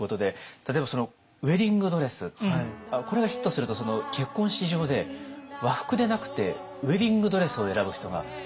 例えば「ウェディング・ドレス」これがヒットすると結婚式場で和服でなくてウエディングドレスを選ぶ人が増えたっていうことで。